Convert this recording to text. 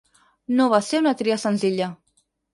No va ser una tria senzilla.